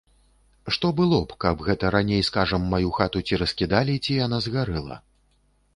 Што было б, каб гэта раней, скажам, маю хату ці раскідалі, ці яна згарэла?